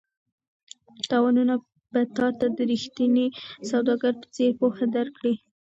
تاوانونه به تا ته د ریښتیني سوداګر په څېر پوهه درکړي.